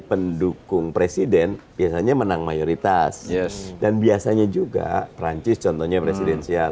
pendukung presiden biasanya menang mayoritas dan biasanya juga perancis contohnya presidensial